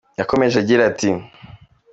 Yakomeje agira ati: